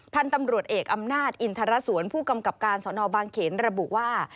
พันธุ์ตำรวจเอกอำนาจอินทรสวนผู้กำกับการสนบางเขนระบุว่า